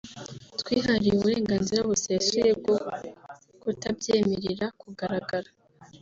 twihariye uburenganzira busesuye bwo kutabyemerera kugaragara